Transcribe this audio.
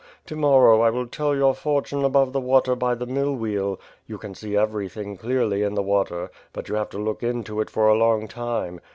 To morrow, I will tell your fortune above the water by the millwheel. You can see everything clearly in the water, but you have to look into it for a long time.